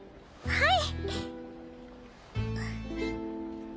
はい！